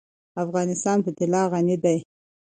افغانستان په طلا غني دی.